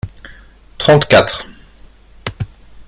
Trente-quatre.